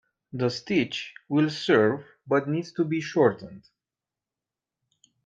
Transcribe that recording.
The stitch will serve but needs to be shortened.